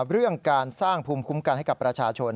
เรื่องการสร้างภูมิคุ้มกันให้กับประชาชน